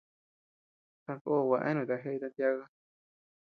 Takó gua eanuta jeʼeta tiaka.